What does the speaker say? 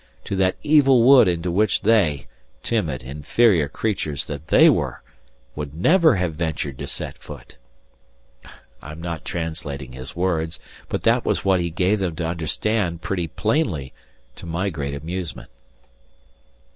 to that evil wood into which they timid, inferior creatures that they were! would never have ventured to set foot. I am not translating his words, but that was what he gave them to understand pretty plainly, to my great amusement.